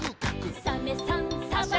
「サメさんサバさん」